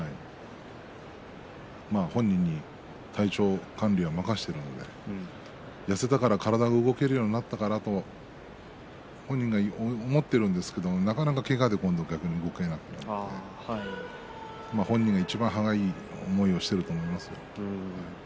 まあ本人に体調管理は任せているんで痩せたから体が動けるようになったかなと本人は思っているんですがなかなか、けがで本人がいちばん歯がゆい思いをしていると思いますよ。